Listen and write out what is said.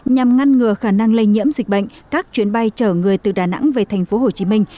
nhằm ngăn ngừa khả năng lây nhiễm dịch bệnh các chuyến bay chở người từ đà nẵng về thành phố hồ chí minh